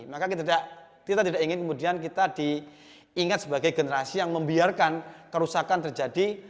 maka kita tidak ingin kemudian kita diingat sebagai generasi yang membiarkan kerusakan terjadi